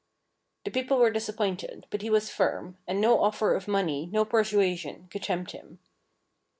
The people were disappointed, but he was firm, and no offer of money, no persuasion, could tempt him.